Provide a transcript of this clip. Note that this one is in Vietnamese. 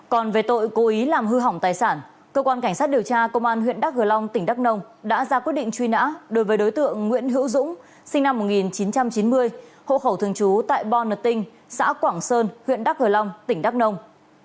còn về tội cố ý làm hư hỏng tài sản cơ quan cảnh sát điều tra công an huyện đắk hờ long tỉnh đắk nông đã ra quyết định truy nã đối với đối tượng nguyễn hữu dũng sinh năm một nghìn chín trăm chín mươi hộ khẩu thường trú tại bon nậ tinh xã quảng sơn huyện đắk hờ long tỉnh đắk nông